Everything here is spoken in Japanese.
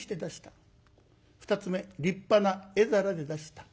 ２つ目立派な絵皿で出した。